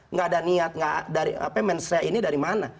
nggak ada niat menshare ini dari mana